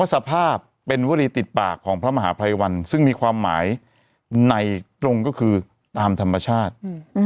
สภาพเป็นวรีติดปากของพระมหาภัยวันซึ่งมีความหมายในตรงก็คือตามธรรมชาติ